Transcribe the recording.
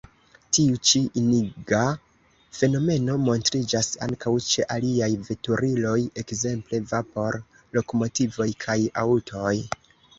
Tiu ĉi iniga fenomeno montriĝas ankaŭ ĉe aliaj veturiloj, ekzemple vapor-lokomotivoj kaj aŭtoj.